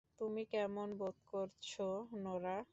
তুমি কেমন বোধ করছো, নোরা?